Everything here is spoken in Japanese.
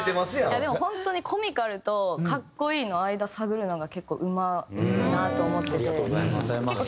いやでも本当にコミカルと格好いいの間探るのが結構うまいなと思ってて。